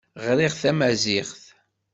Ɣriɣ tamaziɣt.